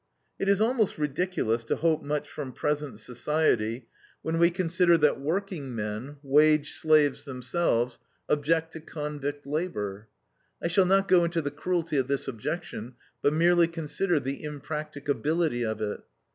It is almost ridiculous to hope much from present society when we consider that workingmen, wage slaves themselves, object to convict labor. I shall not go into the cruelty of this objection, but merely consider the impracticability of it.